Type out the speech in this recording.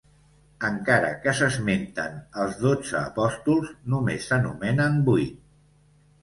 Encara que s'esmenten els dotze apòstols, només se n'anomenen vuit.